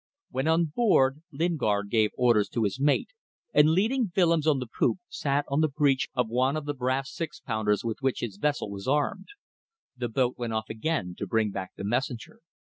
When on board Lingard gave orders to his mate, and leading Willems on the poop, sat on the breech of one of the brass six pounders with which his vessel was armed. The boat went off again to bring back the messenger.